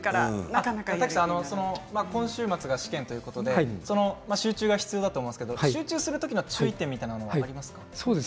今週末が試験ということで集中が必要だと思いますけれども集中が必要なときの注意点はありますか？